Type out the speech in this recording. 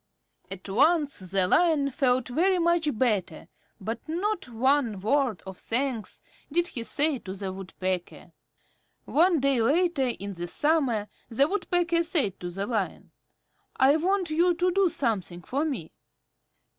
At once the Lion felt very much better, but not one word of thanks did he say to the Woodpecker. One day later in the summer, the Woodpecker said to the Lion, "I want you to do something for me."